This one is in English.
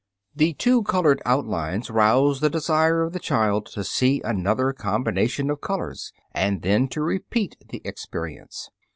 The two colored outlines rouse the desire of the child to see another combination of colors and then to repeat the experience.